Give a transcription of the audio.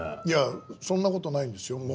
いやそんなことないんですよ